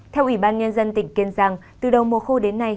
theo ủy ban nhân dân tỉnh kiên giang từ đầu mùa khô đến nay